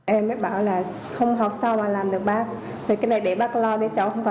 em mới bảo là không học sao mà làm được bác